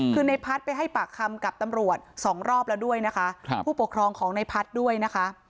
คือในพัฒน์ไปให้ปากคำกับตำรวจสองรอบแล้วด้วยนะคะครับผู้ปกครองของในพัฒน์ด้วยนะคะ